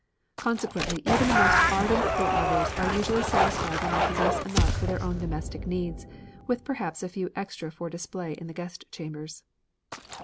Consequently even the most ardent quilt lovers are usually satisfied when they possess enough for their own domestic needs, with perhaps a few extra for display in the guest chambers.